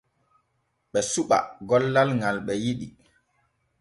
Ɓe suɓa gollal ŋal ɓe yiɗi.